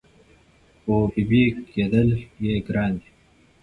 خو بېبي کېدل یې ګران دي